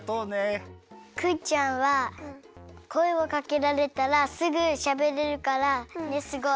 クイちゃんはこえをかけられたらすぐしゃべれるからすごい。